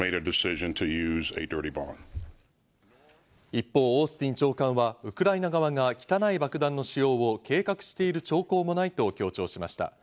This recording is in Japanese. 一方、オースティン長官はウクライナ側が「汚い爆弾」の使用を計画している兆候もないと強調しました。